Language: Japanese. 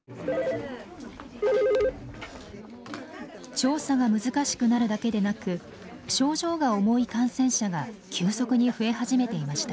調査が難しくなるだけでなく症状が重い感染者が急速に増え始めていました。